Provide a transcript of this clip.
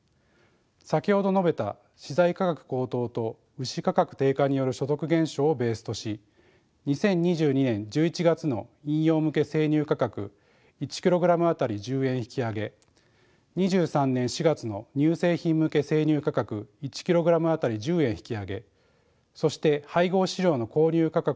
先ほど述べた資材価格高騰と牛価格低下による所得減少をベースとし２０２２年１１月の飲用向け生乳価格１ｋｇあたり１０円引き上げ２３年４月の乳製品向け生乳価格１ｋｇあたり１０円引き上げそして配合飼料の購入価格を抑える